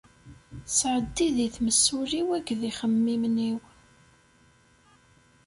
Sɛeddi di tmes ul-iw akked ixemmimen-iw.